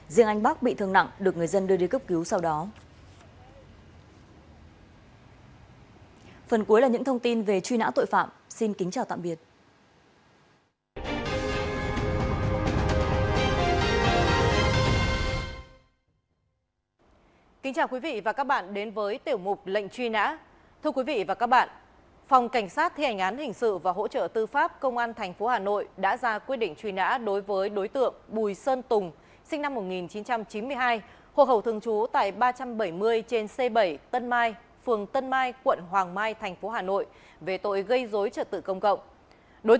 riêng anh bắc bị thương nặng được người dân đưa đi cấp cứu sau đó